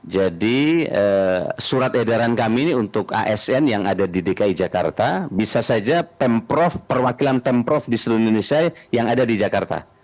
jadi surat edaran kami untuk asn yang ada di dki jakarta bisa saja perwakilan temprof di seluruh indonesia yang ada di jakarta